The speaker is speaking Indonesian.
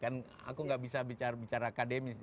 kan aku nggak bisa bicara bicara akademis